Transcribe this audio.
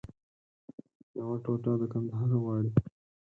یوه ټوټه د کندهار غواړي